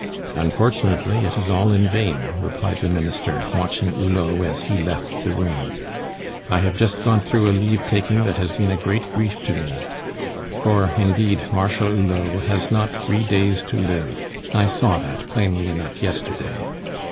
"Unfortunately, it is all in vain," replied the Minister, watching Hulot as he left the room. "I have just gone through a leave taking that has been a great grief to me. For, indeed, Marshal Hulot has not three days to live; I saw that plainly enough yesterday.